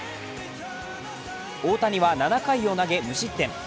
大谷は７回を投げ無失点。